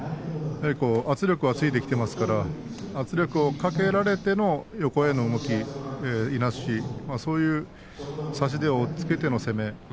圧力がついてきていますから圧力をかけられたら横の動きといなし差し手をつけての攻め